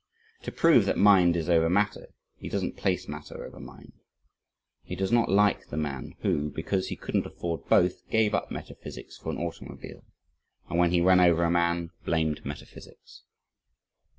To prove that mind is over matter, he doesn't place matter over mind. He is not like the man who, because he couldn't afford both, gave up metaphysics for an automobile, and when he ran over a man blamed metaphysics.